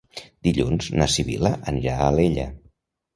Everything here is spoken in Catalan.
Dilluns na Sibil·la anirà a Alella.